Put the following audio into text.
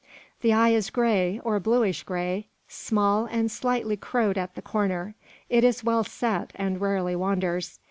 The eye is grey, or bluish grey, small, and slightly crowed at the corner. It is well set, and rarely wanders.